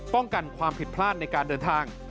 ป้องกันความผิดพลาดในการเดินทาง